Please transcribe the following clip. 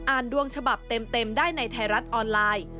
ดวงฉบับเต็มได้ในไทยรัฐออนไลน์